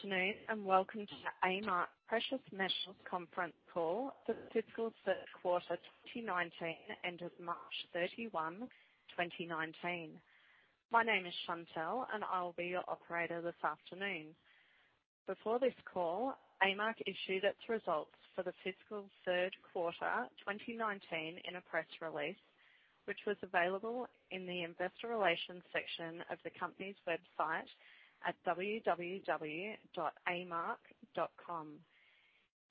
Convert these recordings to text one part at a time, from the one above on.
Good afternoon, welcome to the A-Mark Precious Metals conference call for fiscal third quarter 2019, ended March 31, 2019. My name is Chantel, I'll be your operator this afternoon. Before this call, A-Mark issued its results for the fiscal third quarter 2019 in a press release, which was available in the investor relations section of the company's website at amark.com.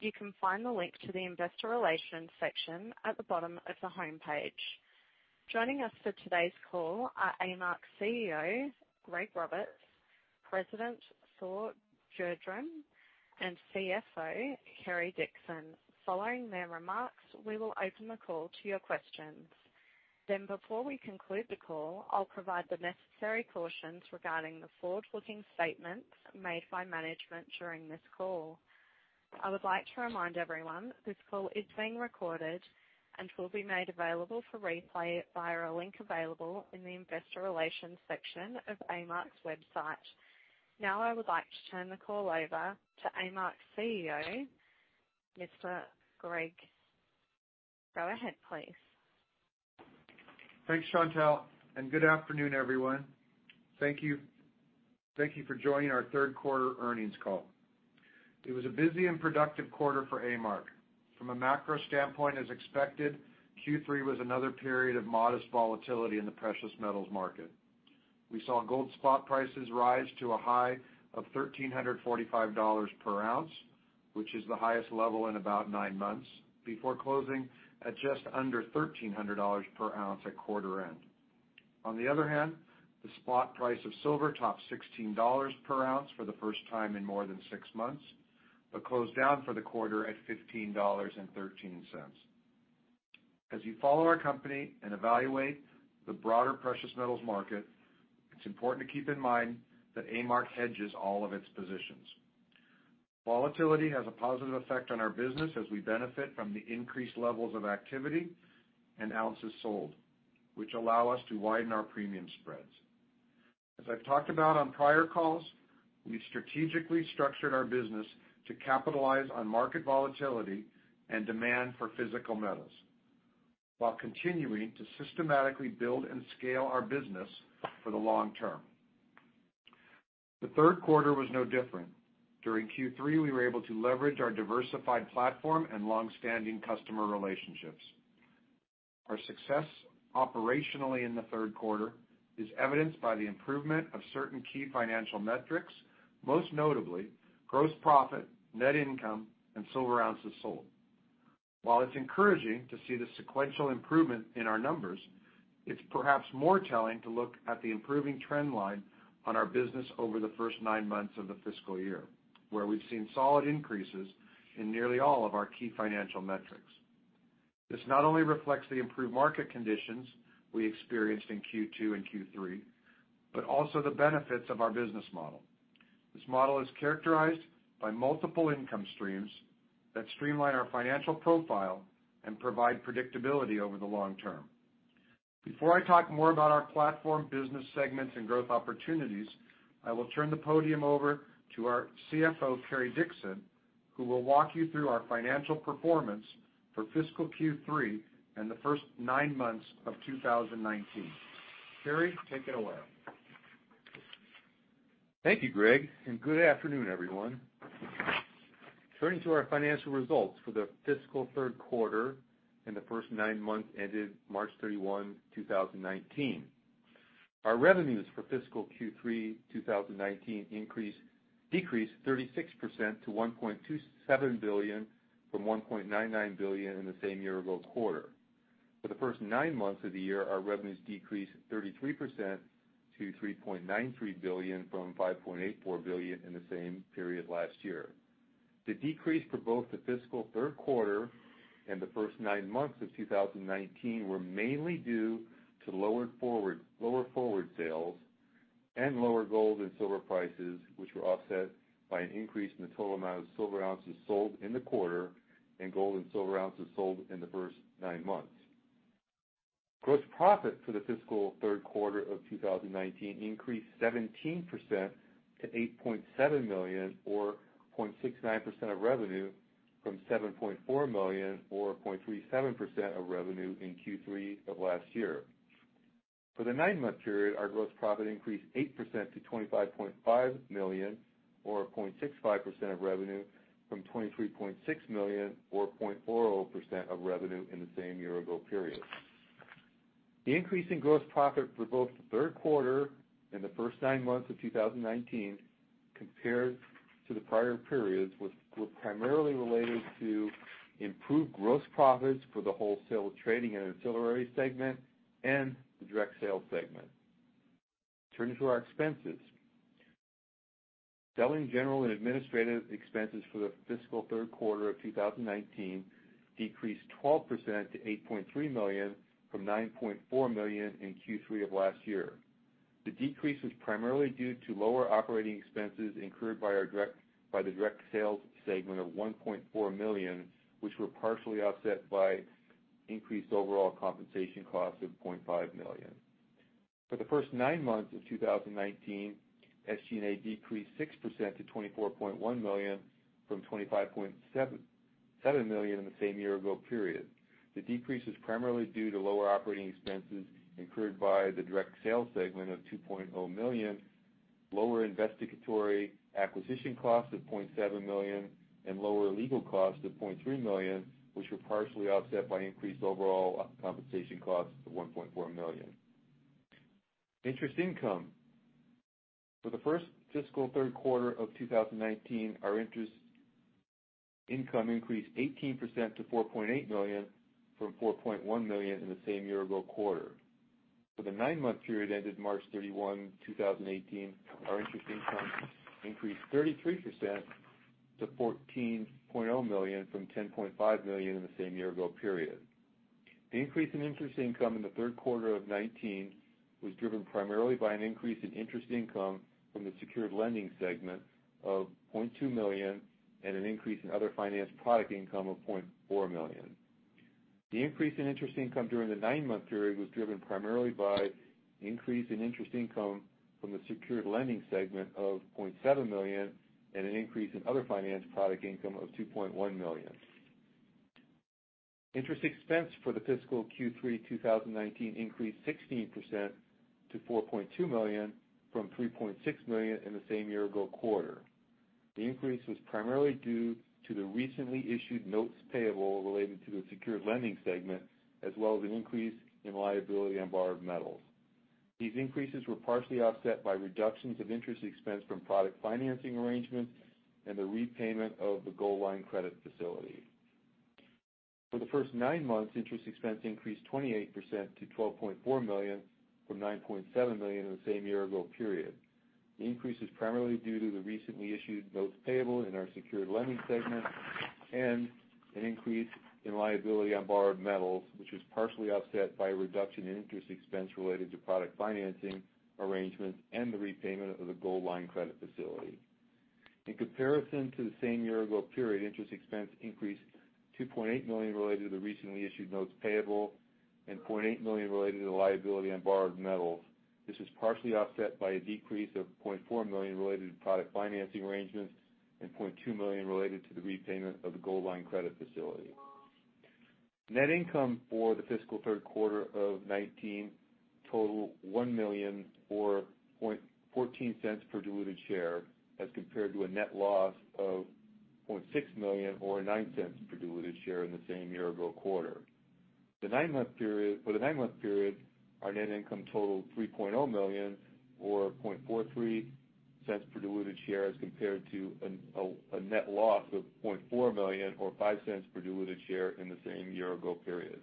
You can find the link to the investor relations section at the bottom of the homepage. Joining us for today's call are A-Mark's CEO, Greg Roberts, President, Thor Gjerdrum, CFO, Cary Dickson. Following their remarks, we will open the call to your questions. Before we conclude the call, I'll provide the necessary cautions regarding the forward-looking statements made by management during this call. I would like to remind everyone this call is being recorded and will be made available for replay via a link available in the investor relations section of A-Mark's website. I would like to turn the call over to A-Mark's CEO, Mr. Greg. Go ahead, please. Thanks, Chantel, good afternoon, everyone. Thank you for joining our third quarter earnings call. It was a busy and productive quarter for A-Mark. From a macro standpoint, as expected, Q3 was another period of modest volatility in the precious metals market. We saw gold spot prices rise to a high of $1,345 per ounce, which is the highest level in about nine months, before closing at just under $1,300 per ounce at quarter end. The spot price of silver topped $16 per ounce for the first time in more than six months, closed down for the quarter at $15.13. As you follow our company and evaluate the broader precious metals market, it's important to keep in mind that A-Mark hedges all of its positions. Volatility has a positive effect on our business as we benefit from the increased levels of activity and ounces sold, which allow us to widen our premium spreads. As I've talked about on prior calls, we've strategically structured our business to capitalize on market volatility and demand for physical metals while continuing to systematically build and scale our business for the long term. The third quarter was no different. During Q3, we were able to leverage our diversified platform and long-standing customer relationships. Our success operationally in the third quarter is evidenced by the improvement of certain key financial metrics, most notably, gross profit, net income and silver ounces sold. While it's encouraging to see the sequential improvement in our numbers, it's perhaps more telling to look at the improving trend line on our business over the first nine months of the fiscal year, where we've seen solid increases in nearly all of our key financial metrics. This not only reflects the improved market conditions we experienced in Q2 and Q3, but also the benefits of our business model. This model is characterized by multiple income streams that streamline our financial profile and provide predictability over the long term. Before I talk more about our platform, business segments, and growth opportunities, I will turn the podium over to our CFO, Cary Dickson, who will walk you through our financial performance for fiscal Q3 and the first nine months of 2019. Cary, take it away. Thank you, Greg, and good afternoon, everyone. Turning to our financial results for the fiscal third quarter and the first nine months ended March 31, 2019. Our revenues for fiscal Q3 2019 decreased 36% to $1.27 billion from $1.99 billion in the same year-ago quarter. For the first nine months of the year, our revenues decreased 33% to $3.93 billion from $5.84 billion in the same period last year. The decrease for both the fiscal third quarter and the first nine months of 2019 were mainly due to lower forward sales and lower gold and silver prices, which were offset by an increase in the total amount of silver ounces sold in the quarter and gold and silver ounces sold in the first nine months. Gross profit for the fiscal third quarter of 2019 increased 17% to $8.7 million, or 0.69% of revenue, from $7.4 million or 0.37% of revenue in Q3 of last year. For the nine-month period, our gross profit increased 8% to $25.5 million or 0.65% of revenue from $23.6 million or 0.40% of revenue in the same year-ago period. The increase in gross profit for both the third quarter and the first nine months of 2019 compared to the prior periods were primarily related to improved gross profits for the wholesale trading and ancillary segment and the direct sales segment. Turning to our expenses. Selling, general and administrative expenses for the fiscal third quarter of 2019 decreased 12% to $8.3 million from $9.4 million in Q3 of last year. The decrease was primarily due to lower operating expenses incurred by the direct sales segment of $1.4 million, which were partially offset by increased overall compensation costs of $0.5 million. For the first nine months of 2019, SG&A decreased 6% to $24.1 million from $25.7 million in the same year-ago period. The decrease is primarily due to lower operating expenses incurred by the direct sales segment of $2.0 million, lower investigatory acquisition costs of $0.7 million, and lower legal costs of $0.3 million, which were partially offset by increased overall compensation costs of $1.4 million. Interest income. For the first fiscal third quarter of 2019, our interest income increased 18% to $4.8 million from $4.1 million in the same year-ago quarter. For the nine-month period ended March 31, 2018, our interest income increased 33% to $14.0 million from $10.5 million in the same year-ago period. The increase in interest income in the third quarter of 2019 was driven primarily by an increase in interest income from the secured lending segment of $0.2 million and an increase in other finance product income of $0.4 million. The increase in interest income during the nine-month period was driven primarily by increase in interest income from the secured lending segment of $0.7 million and an increase in other finance product income of $2.1 million. Interest expense for the fiscal Q3 2019 increased 16% to $4.2 million from $3.6 million in the same year-ago quarter. The increase was primarily due to the recently issued notes payable related to the secured lending segment, as well as an increase in liability on borrowed metals. These increases were partially offset by reductions of interest expense from product financing arrangements and the repayment of the gold line credit facility. For the first nine months, interest expense increased 28% to $12.4 million from $9.7 million in the same year-ago period. The increase is primarily due to the recently issued notes payable in our secured lending segment and an increase in liability on borrowed metals, which was partially offset by a reduction in interest expense related to product financing arrangements and the repayment of the gold line credit facility. In comparison to the same year-ago period, interest expense increased to $2.8 million related to the recently issued notes payable and $0.8 million related to the liability on borrowed metals. This was partially offset by a decrease of $0.4 million related to product financing arrangements and $0.2 million related to the repayment of the gold line credit facility. Net income for the fiscal third quarter of 2019 total $1 million or $0.14 per diluted share as compared to a net loss of $0.6 million or $0.09 per diluted share in the same year-ago quarter. For the nine-month period, our net income totaled $3.0 million or $0.43 per diluted share as compared to a net loss of $0.4 million or $0.05 per diluted share in the same year-ago period.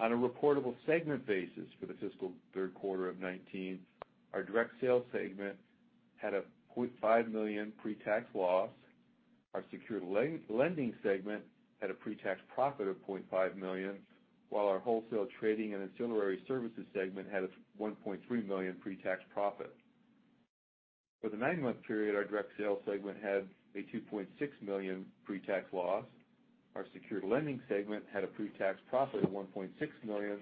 On a reportable segment basis for the fiscal third quarter of 2019, our direct sales segment had a $0.5 million pre-tax loss. Our secured lending segment had a pre-tax profit of $0.5 million, while our wholesale trading and ancillary services segment had a $1.3 million pre-tax profit. For the nine-month period, our direct sales segment had a $2.6 million pre-tax loss. Our secured lending segment had a pre-tax profit of $1.6 million,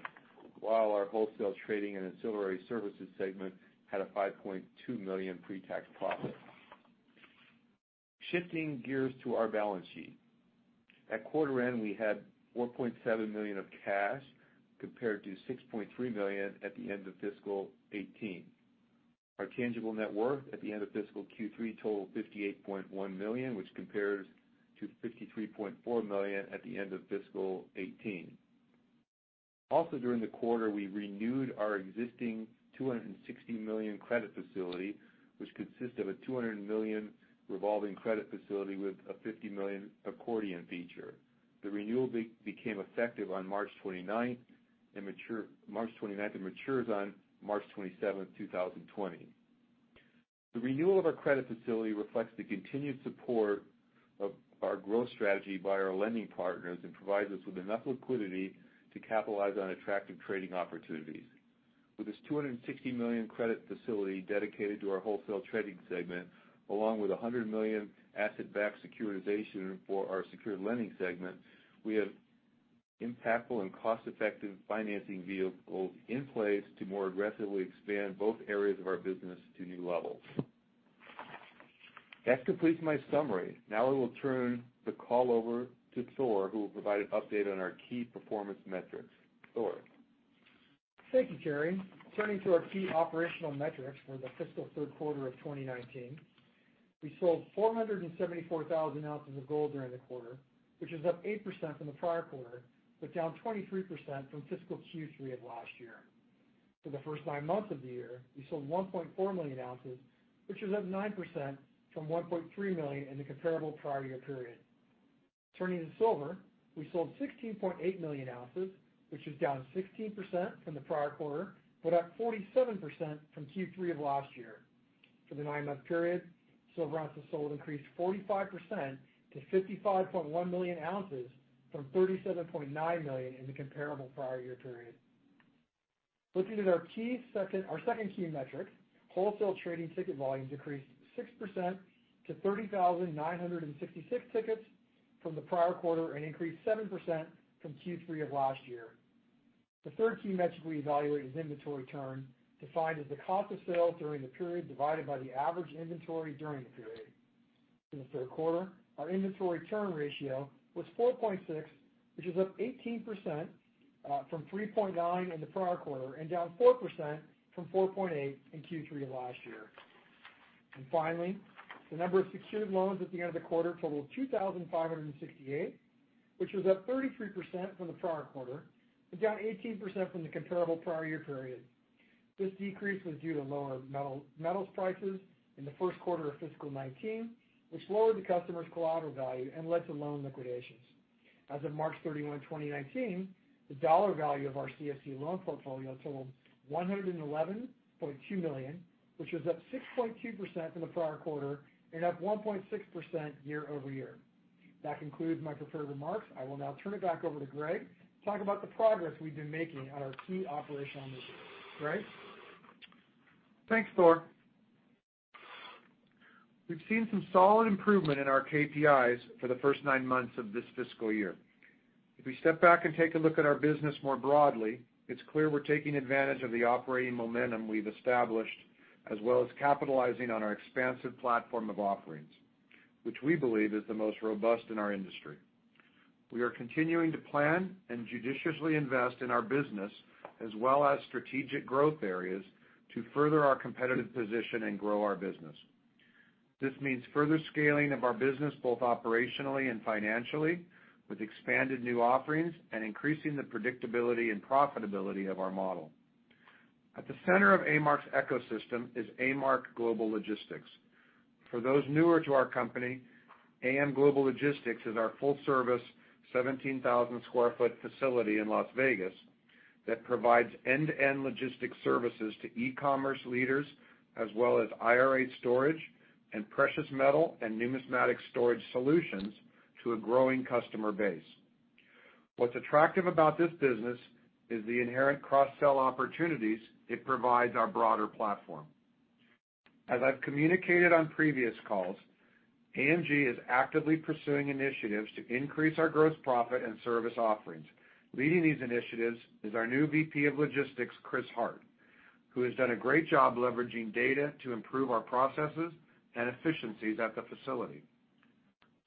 while our wholesale trading and ancillary services segment had a $5.2 million pre-tax profit. Shifting gears to our balance sheet. At quarter end, we had $4.7 million of cash compared to $6.3 million at the end of fiscal 2018. Our tangible net worth at the end of fiscal Q3 totaled $58.1 million, which compares to $53.4 million at the end of fiscal 2018. Also during the quarter, we renewed our existing $260 million credit facility, which consists of a $200 million revolving credit facility with a $50 million accordion feature. The renewal became effective on March 29th and matures on March 27th, 2020. The renewal of our credit facility reflects the continued support of our growth strategy by our lending partners and provides us with enough liquidity to capitalize on attractive trading opportunities. With this $260 million credit facility dedicated to our wholesale trading segment, along with $100 million asset-backed securitization for our secured lending segment, we have impactful and cost-effective financing vehicles in place to more aggressively expand both areas of our business to new levels. That completes my summary. Now I will turn the call over to Thor, who will provide an update on our key performance metrics. Thor? Thank you, Cary. Turning to our key operational metrics for the fiscal third quarter of 2019. We sold 474,000 ounces of gold during the quarter, which is up 8% from the prior quarter, but down 23% from fiscal Q3 of last year. For the first nine months of the year, we sold 1.4 million ounces, which is up 9% from 1.3 million in the comparable prior year period. Turning to silver, we sold 16.8 million ounces, which is down 16% from the prior quarter, but up 47% from Q3 of last year. For the nine-month period, silver ounces sold increased 45% to 55.1 million ounces from 37.9 million in the comparable prior year period. Looking at our second key metric, wholesale trading ticket volume decreased 6% to 30,966 tickets from the prior quarter and increased 7% from Q3 of last year. The third key metric we evaluate is inventory turn, defined as the cost of sales during the period divided by the average inventory during the period. In the third quarter, our inventory turn ratio was 4.6, which is up 18% from 3.9 in the prior quarter and down 4% from 4.8 in Q3 of last year. Finally, the number of secured loans at the end of the quarter totaled 2,568, which was up 33% from the prior quarter, but down 18% from the comparable prior year period. This decrease was due to lower metals prices in the first quarter of fiscal 2019, which lowered the customer's collateral value and led to loan liquidations. As of March 31, 2019, the dollar value of our CFC loan portfolio totaled $111.2 million, which was up 6.2% from the prior quarter and up 1.6% year-over-year. That concludes my prepared remarks. I will now turn it back over to Greg to talk about the progress we've been making on our key operational measures. Greg? Thanks, Thor. We've seen some solid improvement in our KPIs for the first nine months of this fiscal year. If we step back and take a look at our business more broadly, it's clear we're taking advantage of the operating momentum we've established as well as capitalizing on our expansive platform of offerings, which we believe is the most robust in our industry. We are continuing to plan and judiciously invest in our business as well as strategic growth areas to further our competitive position and grow our business. This means further scaling of our business, both operationally and financially, with expanded new offerings and increasing the predictability and profitability of our model. At the center of A-Mark's ecosystem is A-Mark Global Logistics. For those newer to our company, A-Mark Global Logistics is our full-service, 17,000 square foot facility in Las Vegas that provides end-to-end logistics services to e-commerce leaders, as well as IRA storage and precious metal and numismatic storage solutions to a growing customer base. What's attractive about this business is the inherent cross-sell opportunities it provides our broader platform. As I've communicated on previous calls, AMG is actively pursuing initiatives to increase our gross profit and service offerings. Leading these initiatives is our new VP of Logistics, Chris Hart, who has done a great job leveraging data to improve our processes and efficiencies at the facility.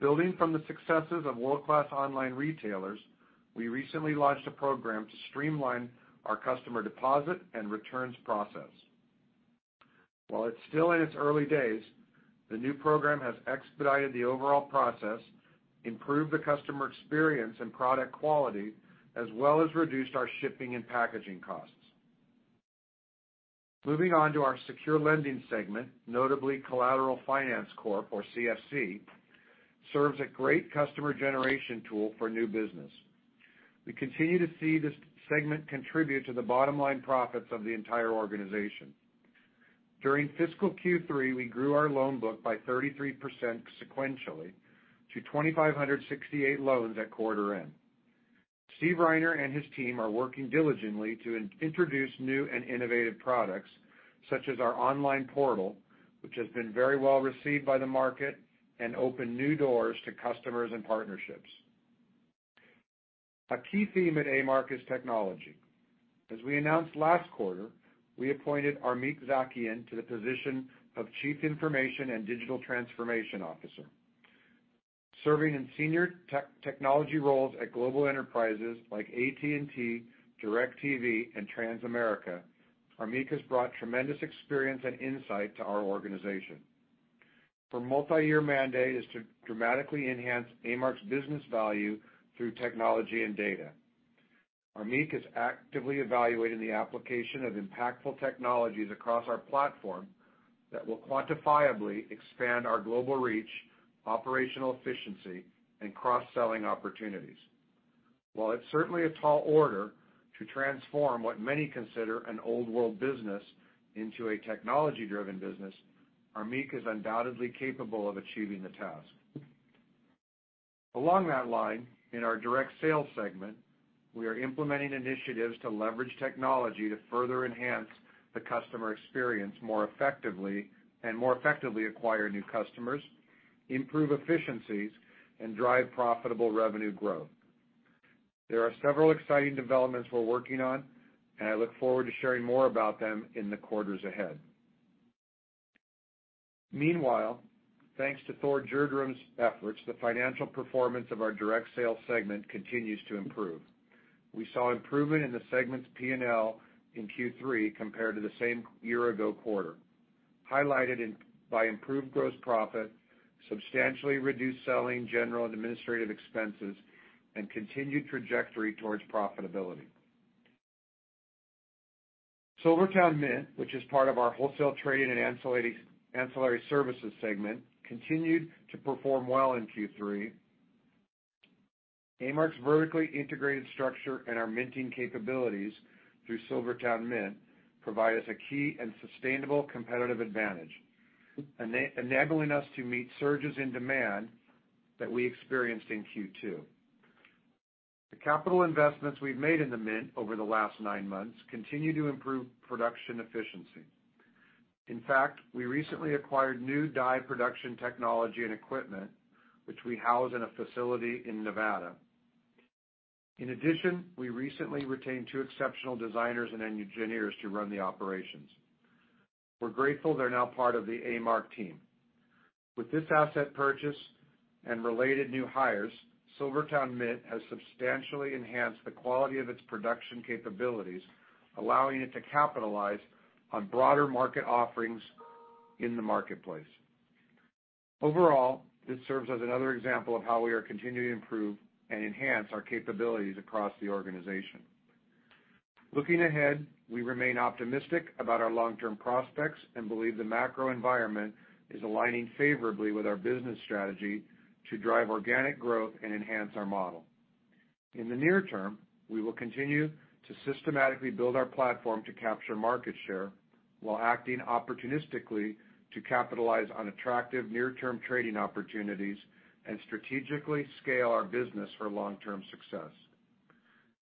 Building from the successes of world-class online retailers, we recently launched a program to streamline our customer deposit and returns process. While it's still in its early days, the new program has expedited the overall process, improved the customer experience and product quality, as well as reduced our shipping and packaging costs. Moving on to our secure lending segment, notably Collateral Finance Corp, or CFC, serves a great customer generation tool for new business. We continue to see this segment contribute to the bottom line profits of the entire organization. During fiscal Q3, we grew our loan book by 33% sequentially to 2,568 loans at quarter end. Steve Reiner and his team are working diligently to introduce new and innovative products, such as our online portal, which has been very well received by the market and opened new doors to customers and partnerships. A key theme at A-Mark is technology. As we announced last quarter, we appointed Armeen Zakian to the position of Chief Information and Digital Transformation Officer. Serving in senior technology roles at global enterprises like AT&T, DIRECTV, and Transamerica, Armeen has brought tremendous experience and insight to our organization. Her multi-year mandate is to dramatically enhance A-Mark's business value through technology and data. Armeen is actively evaluating the application of impactful technologies across our platform that will quantifiably expand our global reach, operational efficiency, and cross-selling opportunities. While it's certainly a tall order to transform what many consider an old world business into a technology-driven business, Armeen is undoubtedly capable of achieving the task. Along that line, in our direct sales segment, we are implementing initiatives to leverage technology to further enhance the customer experience more effectively, and more effectively acquire new customers, improve efficiencies, and drive profitable revenue growth. There are several exciting developments we're working on, and I look forward to sharing more about them in the quarters ahead. Meanwhile, thanks to Thor Gjerdrum's efforts, the financial performance of our direct sales segment continues to improve. We saw improvement in the segment's P&L in Q3 compared to the same year-ago quarter, highlighted by improved gross profit, substantially reduced selling, general, and administrative expenses, and continued trajectory towards profitability. SilverTowne Mint, which is part of our wholesale trading and ancillary services segment, continued to perform well in Q3. A-Mark's vertically integrated structure and our minting capabilities through SilverTowne Mint provide us a key and sustainable competitive advantage, enabling us to meet surges in demand that we experienced in Q2. The capital investments we've made in the Mint over the last nine months continue to improve production efficiency. In fact, we recently acquired new die production technology and equipment, which we house in a facility in Nevada. In addition, we recently retained two exceptional designers and engineers to run the operations. We're grateful they're now part of the A-Mark team. With this asset purchase and related new hires, SilverTowne Mint has substantially enhanced the quality of its production capabilities, allowing it to capitalize on broader market offerings in the marketplace. Overall, this serves as another example of how we are continuing to improve and enhance our capabilities across the organization. Looking ahead, we remain optimistic about our long-term prospects and believe the macro environment is aligning favorably with our business strategy to drive organic growth and enhance our model. In the near term, we will continue to systematically build our platform to capture market share while acting opportunistically to capitalize on attractive near-term trading opportunities and strategically scale our business for long-term success.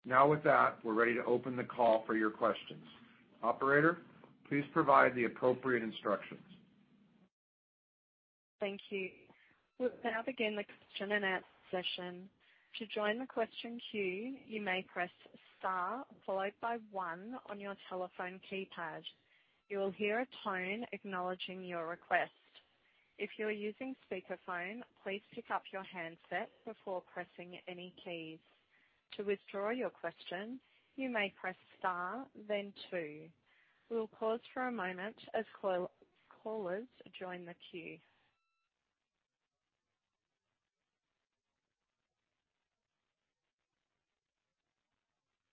Now with that, we're ready to open the call for your questions. Operator, please provide the appropriate instructions. Thank you. We'll now begin the question and answer session. To join the question queue, you may press star, followed by one on your telephone keypad. You will hear a tone acknowledging your request. If you're using speakerphone, please pick up your handset before pressing any keys. To withdraw your question, you may press star then two. We will pause for a moment as callers join the queue.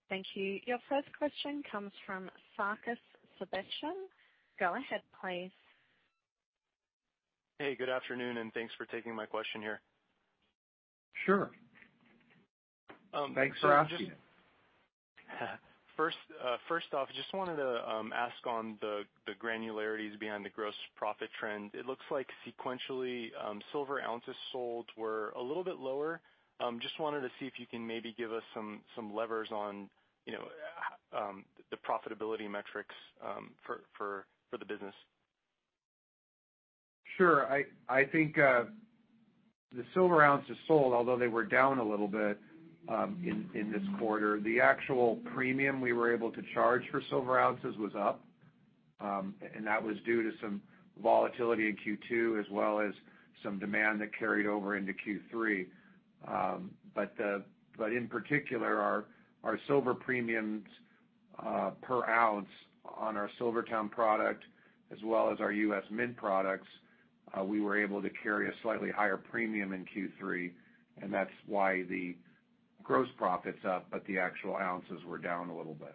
Thank you. Your first question comes from Sarkis Sebastian. Go ahead, please. Good afternoon, thanks for taking my question here. Sure. Thanks for asking. First off, just wanted to ask on the granularities behind the gross profit trend. It looks like sequentially, silver ounces sold were a little bit lower. Just wanted to see if you can maybe give us some levers on the profitability metrics for the business. Sure. I think the silver ounces sold, although they were down a little bit in this quarter, the actual premium we were able to charge for silver ounces was up. That was due to some volatility in Q2, as well as some demand that carried over into Q3. In particular, our silver premiums per ounce on our SilverTowne product as well as our U.S. Mint products, we were able to carry a slightly higher premium in Q3, and that's why the gross profit's up, but the actual ounces were down a little bit.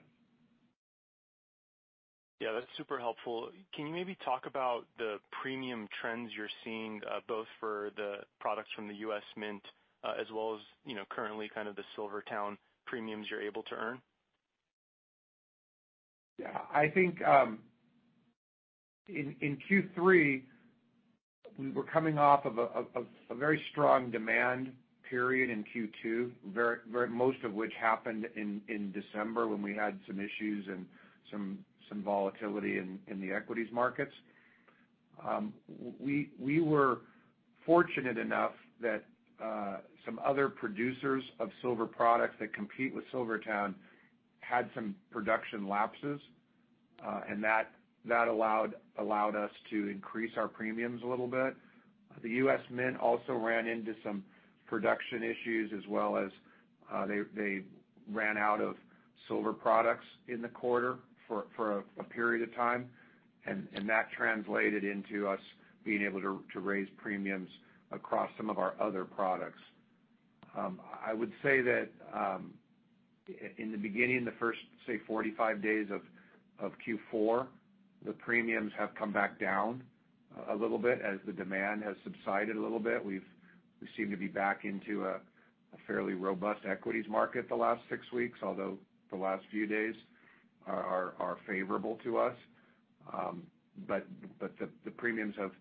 Yeah, that's super helpful. Can you maybe talk about the premium trends you're seeing, both for the products from the U.S. Mint as well as currently the SilverTowne premiums you're able to earn? Yeah. I think in Q3, we were coming off of a very strong demand period in Q2 most of which happened in December, when we had some issues and some volatility in the equities markets. We were fortunate enough that some other producers of silver products that compete with SilverTowne had some production lapses, and that allowed us to increase our premiums a little bit. The US Mint also ran into some production issues as well as they ran out of silver products in the quarter for a period of time, and that translated into us being able to raise premiums across some of our other products. I would say that in the beginning, the first, say, 45 days of Q4, the premiums have come back down a little bit as the demand has subsided a little bit. We seem to be back into a fairly robust equities market the last six weeks, although the last few days are favorable to us. The premiums have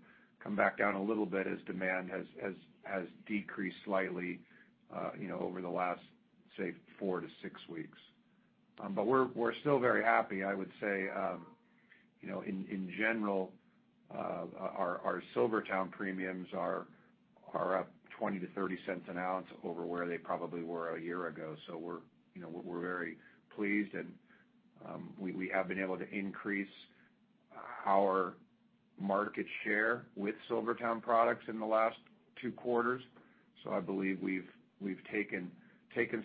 come back down a little bit as demand has decreased slightly over the last, say, four to six weeks. We're still very happy. I would say, in general, our SilverTowne premiums are up $0.20-$0.30 an ounce over where they probably were a year ago. We're very pleased, and we have been able to increase our market share with SilverTowne products in the last two quarters. I believe we've taken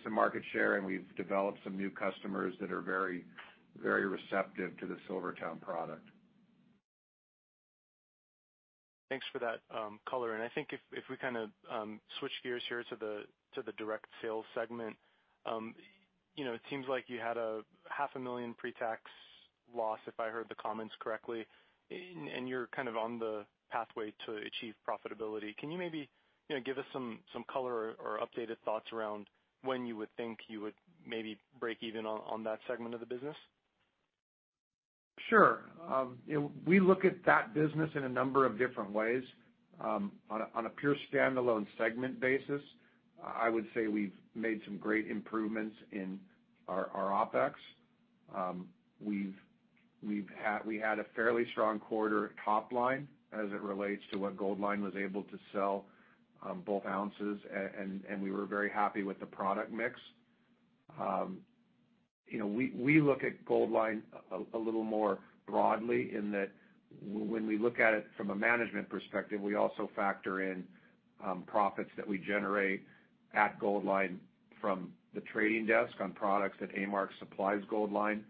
some market share, and we've developed some new customers that are very receptive to the SilverTowne product. Thanks for that color. I think if we switch gears here to the direct sales segment. It seems like you had a half a million pre-tax loss, if I heard the comments correctly, and you're on the pathway to achieve profitability. Can you maybe give us some color or updated thoughts around when you would think you would maybe break even on that segment of the business? Sure. We look at that business in a number of different ways. On a pure standalone segment basis, I would say we've made some great improvements in our OpEx. We had a fairly strong quarter top line as it relates to what Goldline was able to sell both ounces, and we were very happy with the product mix. We look at Goldline a little more broadly in that when we look at it from a management perspective, we also factor in profits that we generate at Goldline from the trading desk on products that A-Mark supplies Goldline,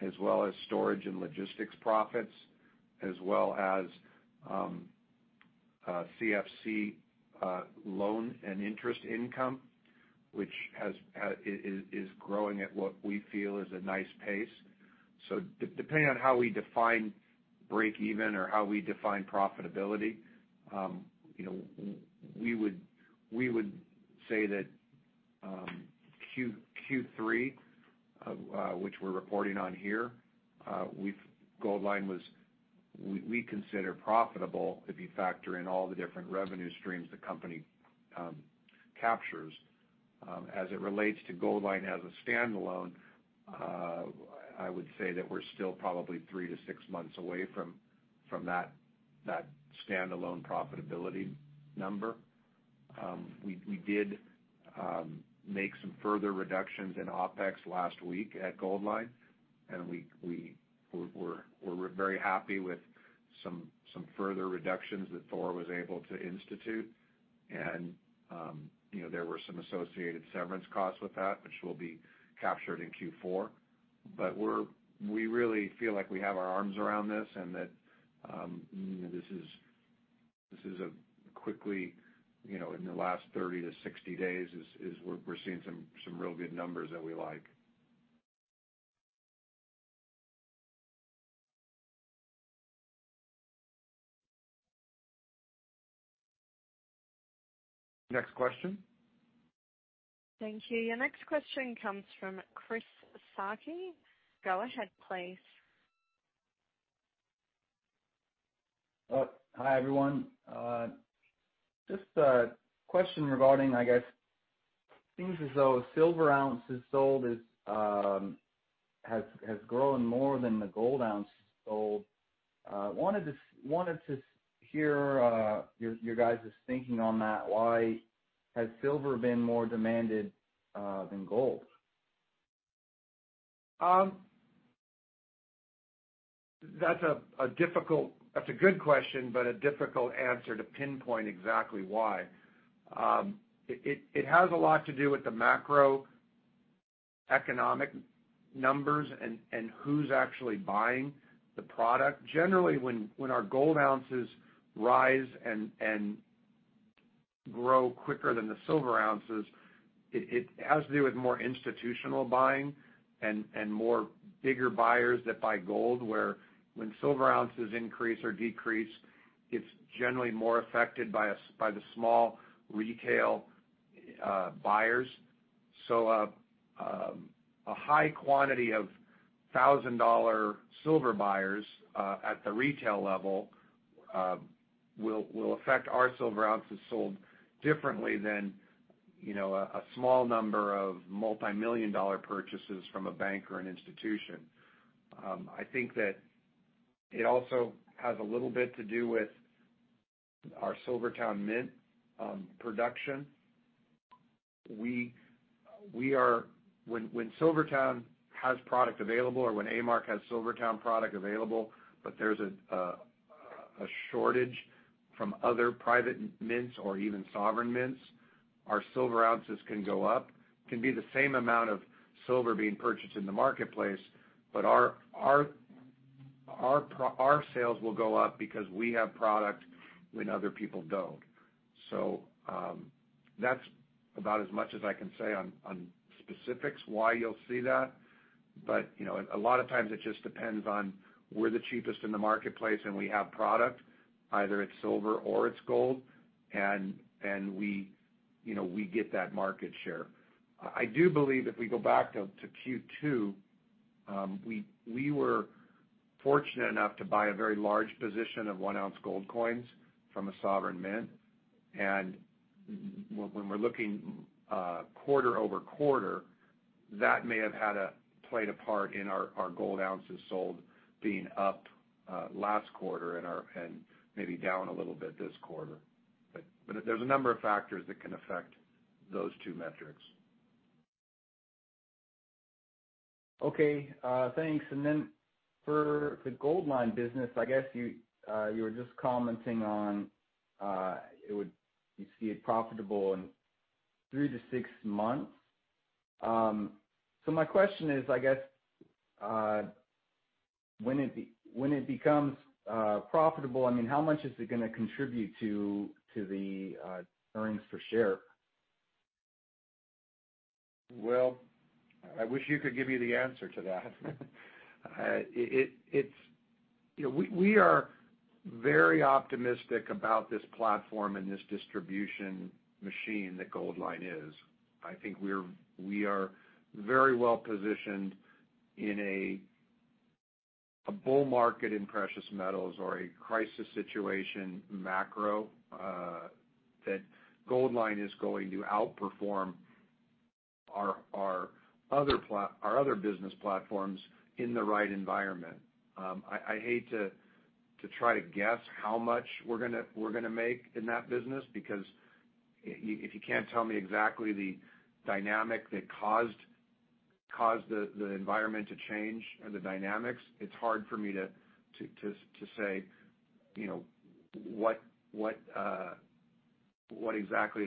as well as storage and logistics profits, as well as CFC loan and interest income, which is growing at what we feel is a nice pace. Depending on how we define break-even or how we define profitability, we would say that Q3, which we're reporting on here, Goldline was, we consider profitable if you factor in all the different revenue streams the company captures. As it relates to Goldline as a standalone, I would say that we're still probably three to six months away from that standalone profitability number. We did make some further reductions in OpEx last week at Goldline, and we're very happy with some further reductions that Thor was able to institute. There were some associated severance costs with that, which will be captured in Q4. We really feel like we have our arms around this and that this is a quickly, in the last 30 to 60 days, is we're seeing some real good numbers that we like. Next question. Thank you. Your next question comes from [Chris Souki]. Go ahead, please. Hi, everyone. Just a question regarding, I guess, it seems as though silver ounces sold has grown more than the gold ounces sold. Wanted to hear your guys' thinking on that. Why has silver been more demanded than gold? That's a good question, a difficult answer to pinpoint exactly why. It has a lot to do with the macroeconomic numbers and who's actually buying the product. Generally, when our gold ounces rise and grow quicker than the silver ounces, it has to do with more institutional buying and more bigger buyers that buy gold, where when silver ounces increase or decrease, it's generally more affected by the small retail buyers. A high quantity of $1,000 silver buyers at the retail level will affect our silver ounces sold differently than a small number of multimillion-dollar purchases from a bank or an institution. I think that it also has a little bit to do with our SilverTowne Mint production. When SilverTowne has product available or when A-Mark has SilverTowne product available, there's a shortage from other private mints or even sovereign mints, our silver ounces can go up. It can be the same amount of silver being purchased in the marketplace, but our sales will go up because we have product when other people don't. That's about as much as I can say on specifics why you'll see that. A lot of times it just depends on we're the cheapest in the marketplace, and we have product, either it's silver or it's gold, and we get that market share. I do believe if we go back to Q2, we were fortunate enough to buy a very large position of one-ounce gold coins from a sovereign mint. When we're looking quarter-over-quarter, that may have had played a part in our gold ounces sold being up last quarter and maybe down a little bit this quarter. There's a number of factors that can affect those two metrics. Okay, thanks. For the Goldline business, I guess you were just commenting on you see it profitable in three to six months. My question is, I guess, when it becomes profitable, how much is it going to contribute to the earnings per share? Well, I wish we could give you the answer to that. We are very optimistic about this platform and this distribution machine that Goldline is. I think we are very well-positioned in a bull market in precious metals or a crisis situation macro, that Goldline is going to outperform our other business platforms in the right environment. I hate to try to guess how much we're going to make in that business, because if you can't tell me exactly the dynamic that caused the environment to change or the dynamics, it's hard for me to say what exactly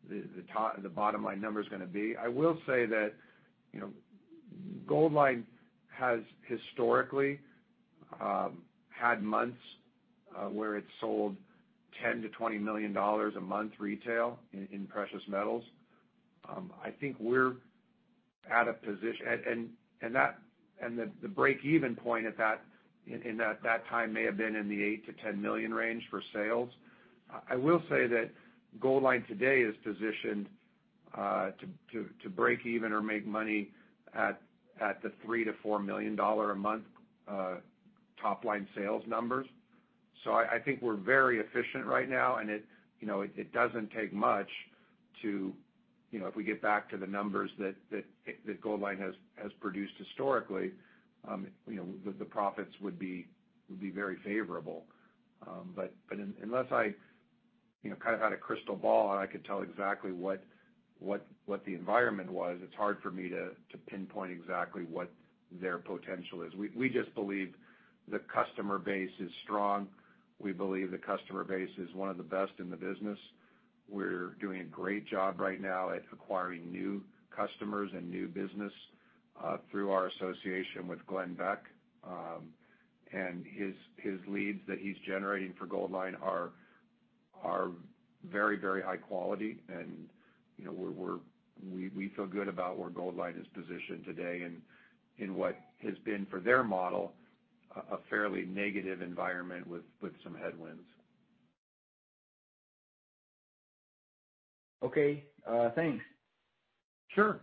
the bottom line number's going to be. I will say that Goldline has historically had months where it sold $10 million-$20 million a month retail in precious metals. The break-even point at that time may have been in the $8 million-$10 million range for sales. I will say that Goldline today is positioned to break even or make money at the $3 million-$4 million a month top-line sales numbers. I think we're very efficient right now, and it doesn't take much if we get back to the numbers that Goldline has produced historically the profits would be very favorable. Unless I had a crystal ball, and I could tell exactly what the environment was, it's hard for me to pinpoint exactly what their potential is. We just believe the customer base is strong. We believe the customer base is one of the best in the business. We're doing a great job right now at acquiring new customers and new business through our association with Glenn Beck. His leads that he's generating for Goldline are very high quality and we feel good about where Goldline is positioned today in what has been for their model, a fairly negative environment with some headwinds. Okay. Thanks. Sure.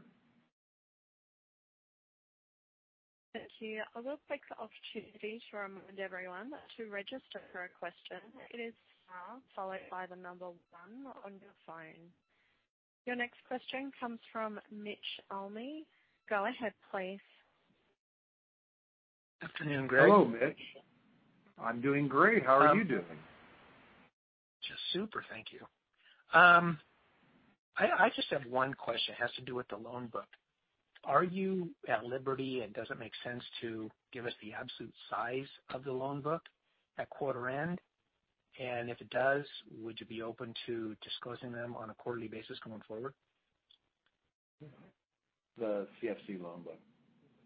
Thank you. A quick opportunity to remind everyone to register for a question. It is star followed by the number 1 on your phone. Your next question comes from Mitch Almy. Go ahead, please. Afternoon, Greg. Hello, Mitch. I'm doing great. How are you doing? Just super, thank you. I just have one question. It has to do with the loan book. Are you at liberty, and does it make sense to give us the absolute size of the loan book at quarter end? If it does, would you be open to disclosing them on a quarterly basis going forward? The CFC loan book.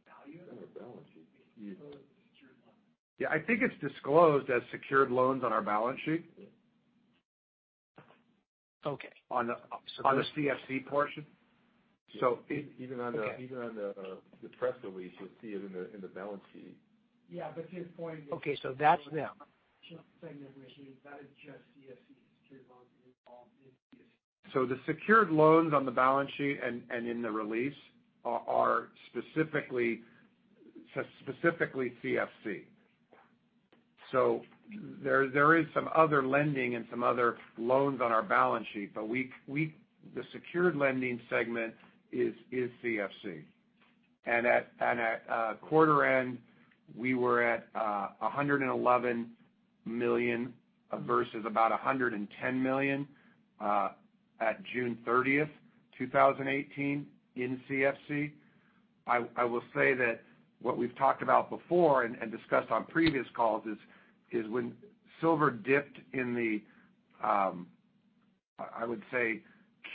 Value? On our balance sheet. I think it's disclosed as secured loans on our balance sheet. Okay. On the CFC portion. Even on the press release, you'll see it in the balance sheet. His point is. Okay. That's them just saying that, Mitch, that is just CFC secured loans involved in CFC. The secured loans on the balance sheet and in the release are specifically CFC. There is some other lending and some other loans on our balance sheet, but the secured lending segment is CFC. At quarter end, we were at $111 million versus about $110 million at June 30th, 2018 in CFC. I will say that what we've talked about before and discussed on previous calls is when silver dipped in the, I would say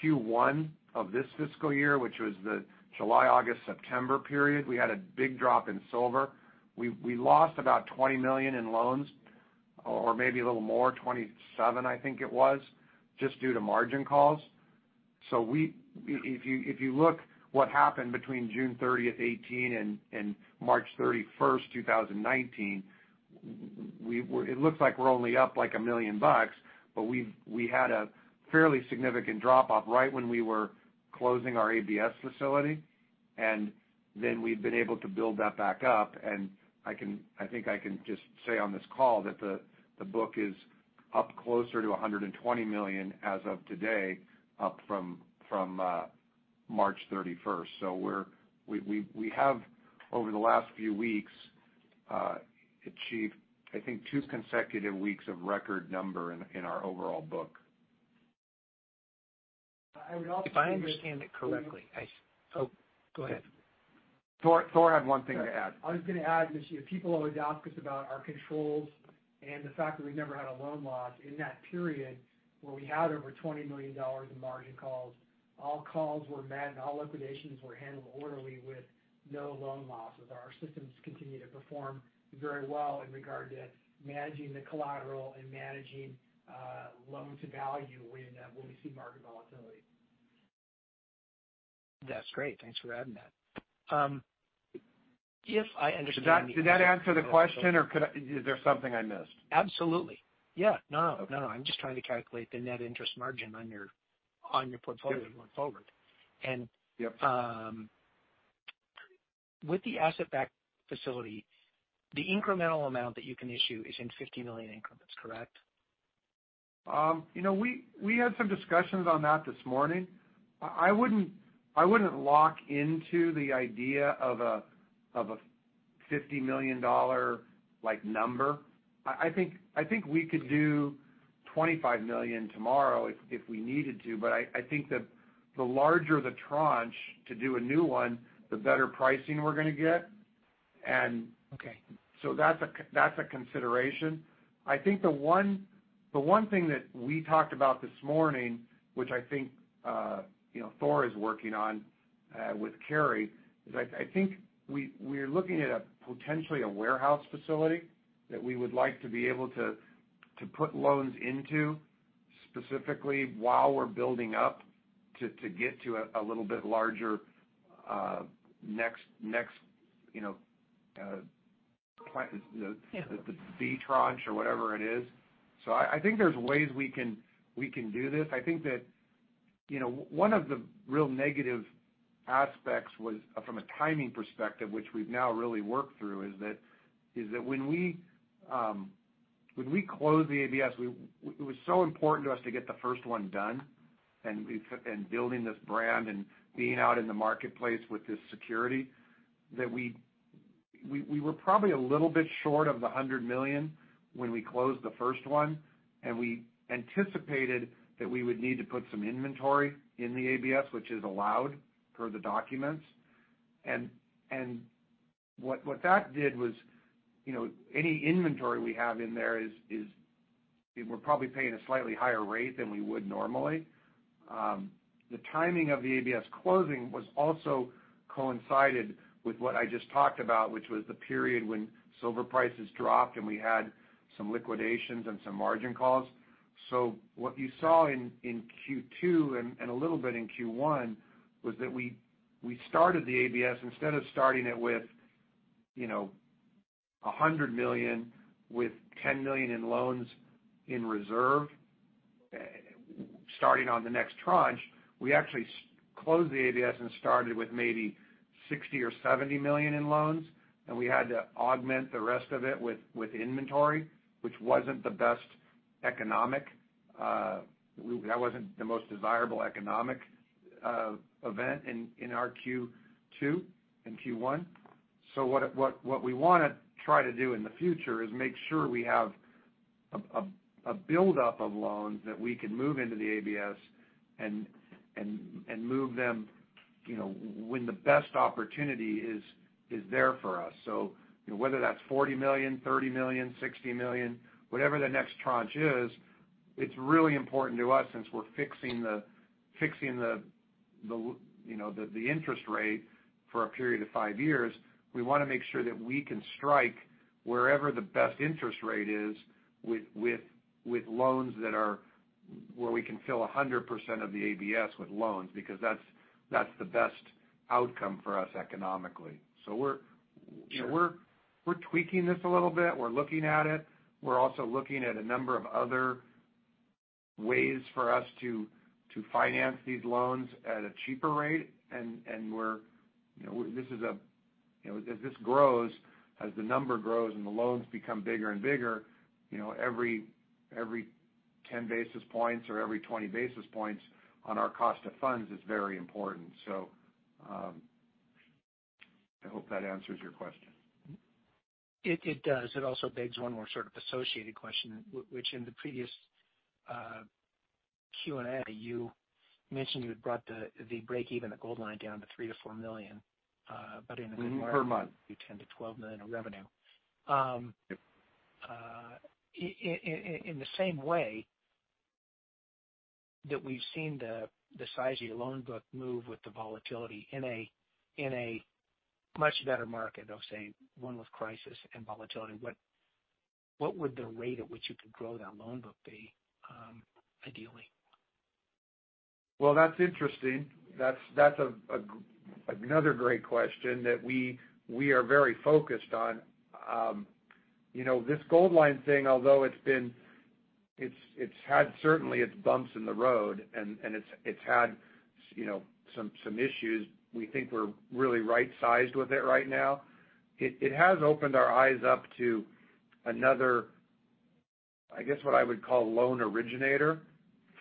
Q1 of this fiscal year, which was the July, August, September period, we had a big drop in silver. We lost about $20 million in loans or maybe a little more, $27 million I think it was, just due to margin calls. If you look what happened between June 30th, 2018 and March 31st, 2019, it looks like we're only up like $1 million, but we had a fairly significant drop-off right when we were closing our ABS facility, then we've been able to build that back up. I think I can just say on this call that the book is up closer to $120 million as of today, up from March 31st. We have over the last few weeks achieved, I think two consecutive weeks of record number in our overall book. I would also- If I understand it correctly, oh, go ahead. Thor had one thing to add. I was going to add, Mitch, people always ask us about our controls and the fact that we've never had a loan loss. In that period where we had over $20 million in margin calls, all calls were met, and all liquidations were handled orderly with no loan losses. Our systems continue to perform very well in regard to managing the collateral and managing loan to value when we see market volatility. That's great. Thanks for adding that. If I understand- Did that answer the question, or is there something I missed? Absolutely. Yeah. No, I'm just trying to calculate the net interest margin on your portfolio going forward. Yep. With the asset-backed facility, the incremental amount that you can issue is in $50 million increments, correct? We had some discussions on that this morning. I wouldn't lock into the idea of a $50 million number. I think we could do $25 million tomorrow if we needed to. I think that the larger the tranche to do a new one, the better pricing we're going to get. Okay. That's a consideration. I think the one thing that we talked about this morning, which I think Thor is working on with Cary, is I think we're looking at potentially a warehouse facility that we would like to be able to put loans into specifically while we're building up to get to a little bit larger. Yeah the B tranche or whatever it is. I think there's ways we can do this. I think that one of the real negative aspects was from a timing perspective, which we've now really worked through, is that when we closed the ABS, it was so important to us to get the first one done, and building this brand and being out in the marketplace with this security, that we were probably a little bit short of the $100 million when we closed the first one, and we anticipated that we would need to put some inventory in the ABS, which is allowed for the documents. What that did was, any inventory we have in there is we're probably paying a slightly higher rate than we would normally. The timing of the ABS closing was also coincided with what I just talked about, which was the period when silver prices dropped, and we had some liquidations and some margin calls. What you saw in Q2, and a little bit in Q1, was that we started the ABS. Instead of starting it with $100 million, with $10 million in loans in reserve, starting on the next tranche, we actually closed the ABS and started with maybe $60 or $70 million in loans, and we had to augment the rest of it with inventory, which wasn't the best. That wasn't the most desirable economic event in our Q2 and Q1. What we want to try to do in the future is make sure we have a buildup of loans that we can move into the ABS and move them when the best opportunity is there for us. Whether that's $40 million, $30 million, $60 million, whatever the next tranche is, it's really important to us since we're fixing the interest rate for a period of five years. We want to make sure that we can strike wherever the best interest rate is with loans that are where we can fill 100% of the ABS with loans, because that's the best outcome for us economically. Sure tweaking this a little bit. We're looking at it. We're also looking at a number of other ways for us to finance these loans at a cheaper rate. As this grows, as the number grows, and the loans become bigger and bigger, every 10 basis points or every 20 basis points on our cost of funds is very important. I hope that answers your question. It does. It also begs one more sort of associated question, which in the previous Q&A, you mentioned you had brought the breakeven at Goldline down to $3 million-$4 million. Mm-hmm. Per month In a good market, it would be $10 million to $12 million of revenue. Yep. In the same way, that we've seen the size of your loan book move with the volatility in a much better market, I'll say, one with crisis and volatility, what would the rate at which you could grow that loan book be, ideally? Well, that's interesting. That's another great question that we are very focused on. This Goldline thing, although it's had certainly its bumps in the road, and it's had some issues, we think we're really right-sized with it right now. It has opened our eyes up to another, I guess, what I would call loan originator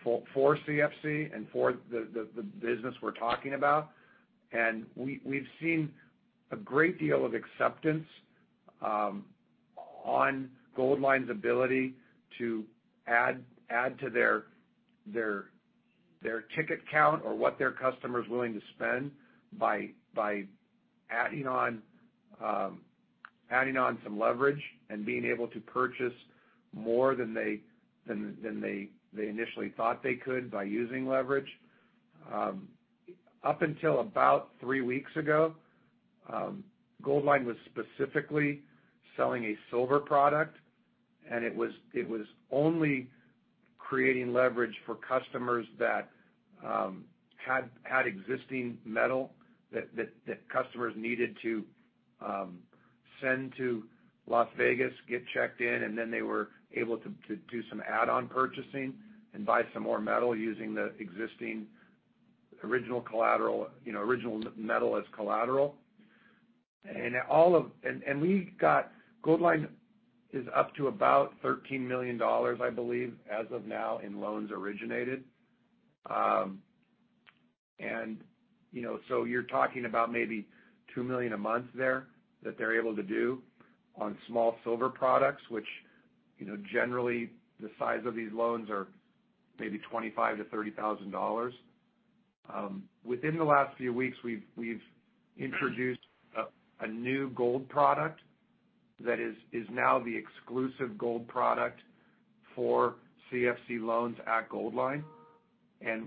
for CFC and for the business we're talking about. We've seen a great deal of acceptance on Goldline's ability to add to their ticket count or what their customer is willing to spend by adding on some leverage and being able to purchase more than they initially thought they could by using leverage. Up until about three weeks ago, Goldline was specifically selling a silver product, and it was only creating leverage for customers that had existing metal that customers needed to send to Las Vegas, get checked in, and then they were able to do some add-on purchasing and buy some more metal using the existing original collateral, original metal as collateral. Goldline is up to about $13 million, I believe, as of now, in loans originated. You're talking about maybe $2 million a month there that they're able to do on small silver products, which generally the size of these loans are maybe $25,000 to $30,000. Within the last few weeks, we've introduced a new gold product that is now the exclusive gold product for CFC loans at Goldline.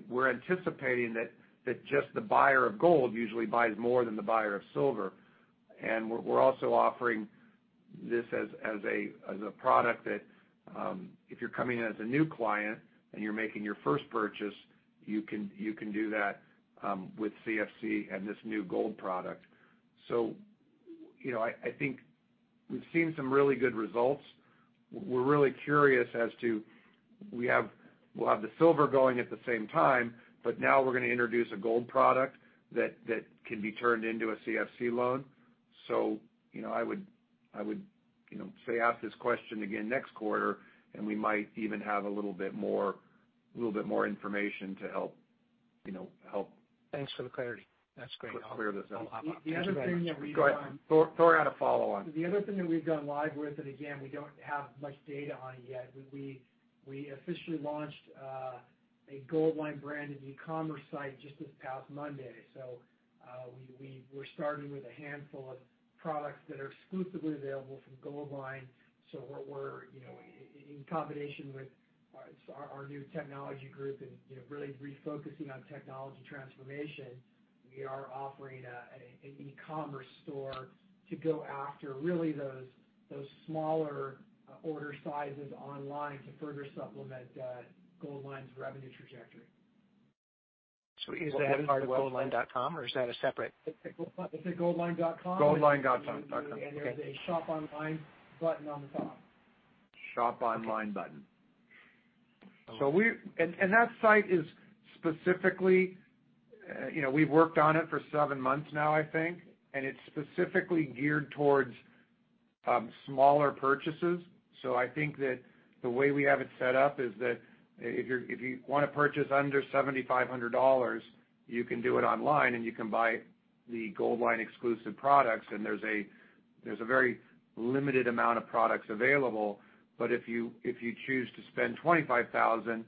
We're anticipating that just the buyer of gold usually buys more than the buyer of silver. We're also offering this as a product that if you're coming in as a new client and you're making your first purchase, you can do that with CFC and this new gold product. I think we've seen some really good results. We're really curious as to, we'll have the silver going at the same time, but now we're going to introduce a gold product that can be turned into a CFC loan. I would say ask this question again next quarter, and we might even have a little bit more information to help. Thanks for the clarity. That's great. Clear this up. The other thing that we. Go ahead. Thor had a follow-on. The other thing that we've gone live with, and again, we don't have much data on it yet, we officially launched a Goldline branded e-commerce site just this past Monday. We're starting with a handful of products that are exclusively available from Goldline. We're in combination with our new technology group and really refocusing on technology transformation. We are offering an e-commerce store to go after really those smaller order sizes online to further supplement Goldline's revenue trajectory. Is that part of goldline.com or is that a separate? It's at goldline.com. goldline.com. Okay. There's a Shop Online button on the top. Shop Online button. That site is specifically, we've worked on it for seven months now, I think, and it's specifically geared towards smaller purchases. I think that the way we have it set up is that if you want to purchase under $7,500, you can do it online and you can buy the Goldline exclusive products, and there's a very limited amount of products available. If you choose to spend $25,000,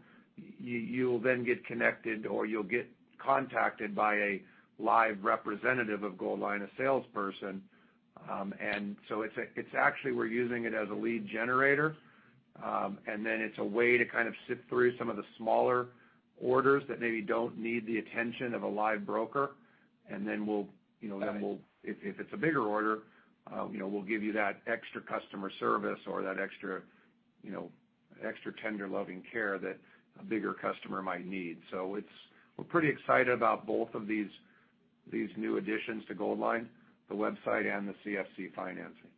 you'll then get connected or you'll get contacted by a live representative of Goldline, a salesperson. Actually we're using it as a lead generator, and then it's a way to kind of sift through some of the smaller orders that maybe don't need the attention of a live broker. If it's a bigger order, we'll give you that extra customer service or that extra tender loving care that a bigger customer might need. We're pretty excited about both of these new additions to Goldline, the website and the CFC financing.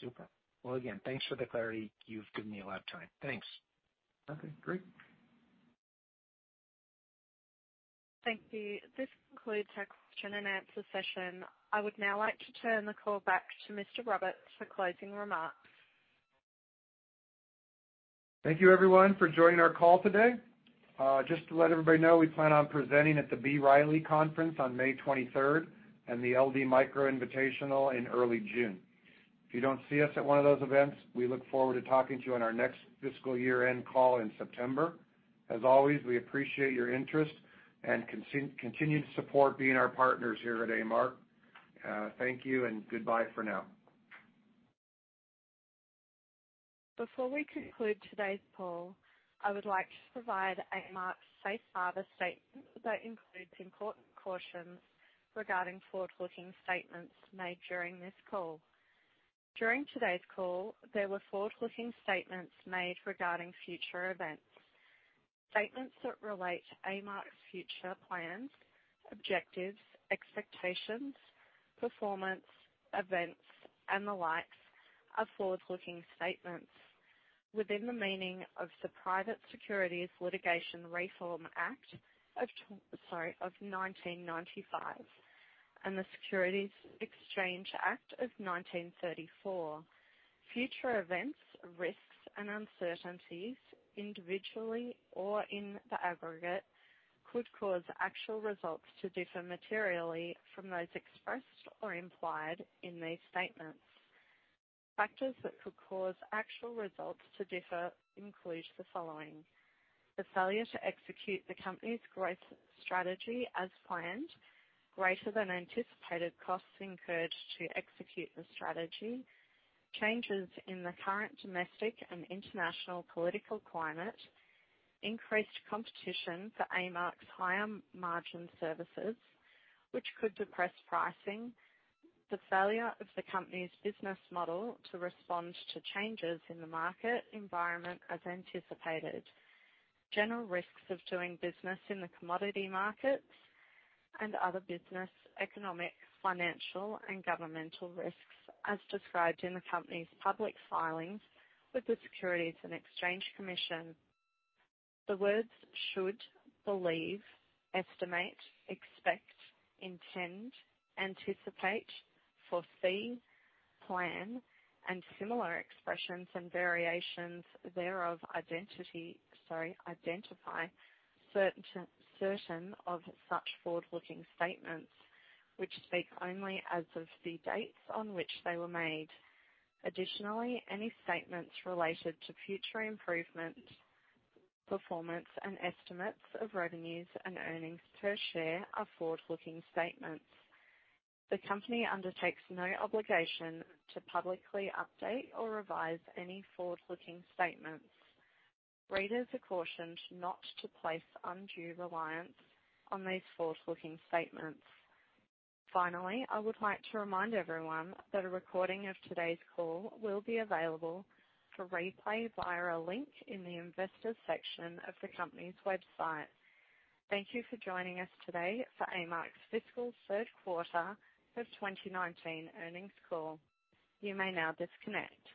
Super. Well, again, thanks for the clarity. You've given me a lot of time. Thanks. Okay, great. Thank you. This concludes our question and answer session. I would now like to turn the call back to Mr. Roberts for closing remarks. Thank you everyone for joining our call today. Just to let everybody know, we plan on presenting at the B. Riley conference on May 23rd and the LD Micro Invitational in early June. If you don't see us at one of those events, we look forward to talking to you on our next fiscal year-end call in September. As always, we appreciate your interest and continued support being our partners here at A-Mark. Thank you and goodbye for now. Before we conclude today's call, I would like to provide A-Mark's safe harbor statement that includes important cautions regarding forward-looking statements made during this call. During today's call, there were forward-looking statements made regarding future events. Statements that relate to A-Mark's future plans, objectives, expectations, performance, events, and the like are forward-looking statements within the meaning of the Private Securities Litigation Reform Act of 1995 and the Securities Exchange Act of 1934. Future events, risks, and uncertainties, individually or in the aggregate, could cause actual results to differ materially from those expressed or implied in these statements. Factors that could cause actual results to differ include the following. The failure to execute the company's growth strategy as planned, greater than anticipated costs incurred to execute the strategy, changes in the current domestic and international political climate, increased competition for A-Mark's higher margin services, which could depress pricing, the failure of the company's business model to respond to changes in the market environment as anticipated, general risks of doing business in the commodity markets, and other business, economic, financial, and governmental risks as described in the company's public filings with the Securities and Exchange Commission. The words should, believe, estimate, expect, intend, anticipate, foresee, plan, and similar expressions and variations thereof identify certain of such forward-looking statements, which speak only as of the dates on which they were made. Additionally, any statements related to future improvement, performance, and estimates of revenues and earnings per share are forward-looking statements. The company undertakes no obligation to publicly update or revise any forward-looking statements. Readers are cautioned not to place undue reliance on these forward-looking statements. Finally, I would like to remind everyone that a recording of today's call will be available for replay via a link in the Investors section of the company's website. Thank you for joining us today for A-Mark's fiscal third quarter of 2019 earnings call. You may now disconnect.